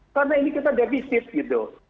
atau dari utang yang ada di situ gitu